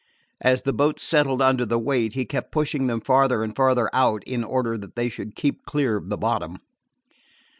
As the boats settled under the weight, he kept pushing them farther and farther out, in order that they should keep clear of the bottom.